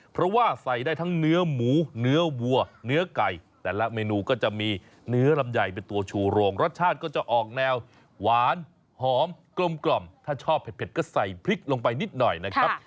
เพราะว่าใส่ได้ทั้งเนื้อหมูเนื้อวัวเนื้อไก่แต่ละเมนูก็จะมีเนื้อลำไยเป็นตัวชูโรงรสชาติก็จะออกแนวหวานหอมกลมถ้าชอบเผ็ดก็ใส่พริกลงไปนิดหน่อยนะครับ